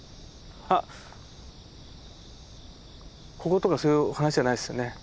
こことかそういう話じゃないですよね？